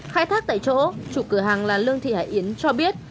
khai thác tại chỗ chủ cửa hàng là lương thị hải yến cho biết